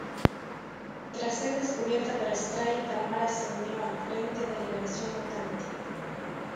Tras ser descubierta por Stryfe, Tamara se unió al Frente de Liberación Mutante.